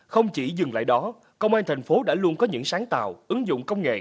không chỉ dừng lại đó công an thành phố đã luôn có những sáng tạo ứng dụng công nghệ